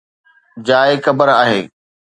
جاءِ قبر آهي